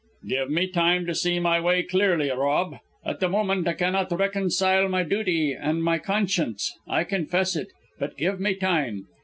"Give me time to see my way clearly, Rob. At the moment I cannot reconcile my duty and my conscience; I confess it. But give me time.